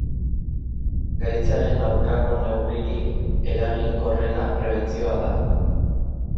Gaitzaren aurkako neurririk eraginkorrena prebentzioa da.